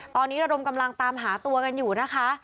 ตอนนี้ระดมกำลังตามหาตัวกันอยู่นะคะ